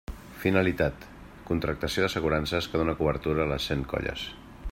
Finalitat: contractació d'assegurances que donen cobertura a les cent colles.